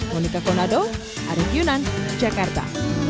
monika konado arief yunan jakarta